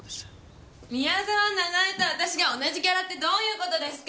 宮沢奈々枝と私が同じギャラってどういう事ですか？